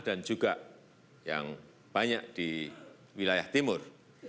dan juga yang banyak di wilayah timur